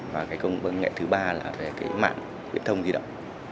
và công nghệ thứ ba là về mạng viễn thông di động